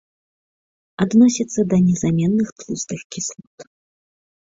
Адносіцца да незаменных тлустых кіслот.